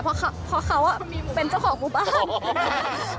เพราะเขามีเป็นเจ้าของหมู่บ้าน